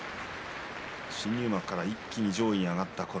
新入幕から一気に上位に上がったころ